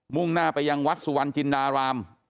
่งหน้าไปยังวัดสุวรรณจินดาราม